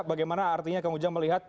bagaimana artinya kang ujang melihat